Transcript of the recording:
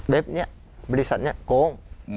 เว็บเนี่ยบริษัทเนี่ยโก้ง